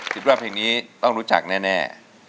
คิดว่าเพลงนี้ต้องรู้จักแน่